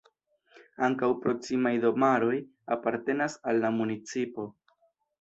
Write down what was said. Ankaŭ proksimaj domaroj apartenas al la municipo.